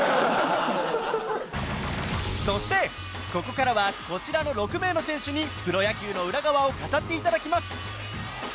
そしてここからはこちらの６名の選手にプロ野球の裏側を語って頂きます